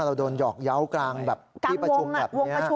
เราโดนหยอกเยากังพี่ประชุมแบบนี้